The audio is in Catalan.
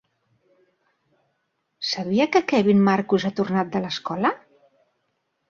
Sabia que Kevin Marcus ha tornat de l'escola?